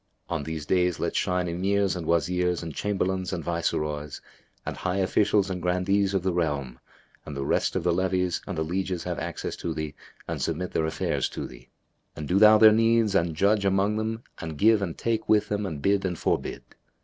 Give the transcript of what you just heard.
On these days let shine Emirs and Wazirs and Chamberlains and Viceroys and high Officials and Grandees of the realm and the rest of the levies and the lieges have access to thee and submit their affairs to thee; and do thou their needs and judge among them and give and take with them and bid and forbid.